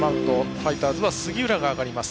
ファイターズは杉浦が上がります。